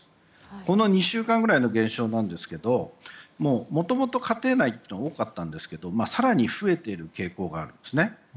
この２週間ぐらいの減少なんですがもともと家庭内って多かったんですが更に増えている傾向があるんです。